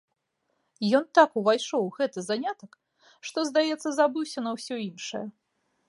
Ён так увайшоў у гэты занятак, што, здаецца, забыўся на ўсё іншае.